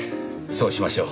そうしましょう。